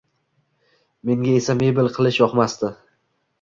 Menga esa mebel qilish yoqmasdi.